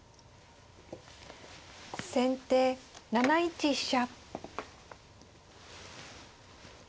先手７一飛車。